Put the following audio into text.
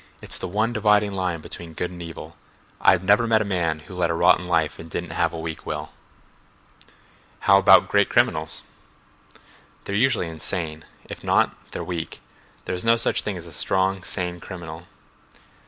"It's the one dividing line between good and evil. I've never met a man who led a rotten life and didn't have a weak will." "How about great criminals?" "They're usually insane. If not, they're weak. There is no such thing as a strong, sane criminal."